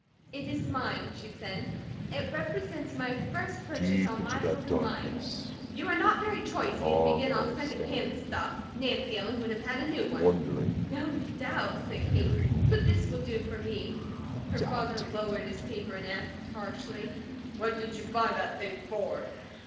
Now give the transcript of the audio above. "It is mine," she said. "It represents my first purchase on my own hook and line." "You are not very choicy to begin on second hand stuff. Nancy Ellen would have had a new one." "No doubt!" said Kate. "But this will do for me." Her father lowered his paper and asked harshly: "What did you buy that thing for?"